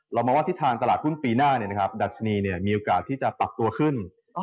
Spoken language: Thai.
มองว่าทิศทางตลาดหุ้นปีหน้าดัชนีมีโอกาสที่จะปรับตัวขึ้น